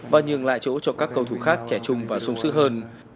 và nhường lại chỗ cho các cầu thủ khác trẻ chung và sung sức hơn